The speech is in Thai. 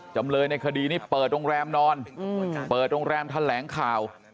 จำเลยในคดีนี้เปิดโรงแรมนอนเปิดโรงแรมแถลงข่าว